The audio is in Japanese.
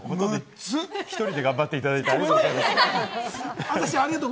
１人で頑張っていただいてありがとうございました。